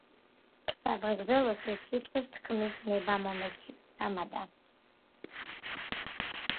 სადღეგრძელოსთვის სიტყვის თქმის ნება მომეცი, თამადა